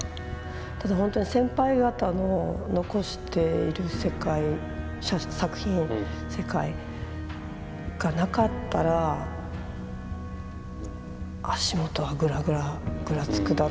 ただほんとに先輩方の残している世界作品世界がなかったら足元はグラグラぐらつくだろうな。